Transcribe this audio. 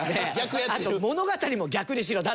あと「物語」も逆にしろだったら。